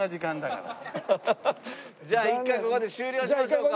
じゃあ１回ここで終了しましょうか。